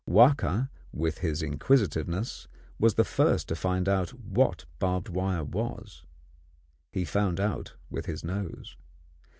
Wahka, with his inquisitiveness, was the first to find out what the barbed wire was. He found out with his nose.